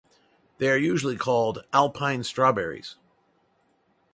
They are usually called "alpine strawberries".